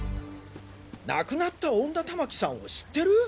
亡くなった恩田たまきさんを知ってる！？